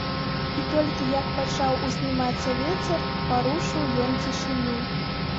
І толькі як пачаў узнімацца вецер, парушыў ён цішыню.